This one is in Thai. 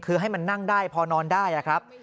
คือให้มันนั่งได้พอนอนได้ครับ